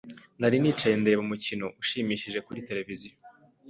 Nari nicaye ndeba umukino ushimishije kuri tereviziyo.